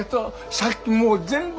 さっきもう全部。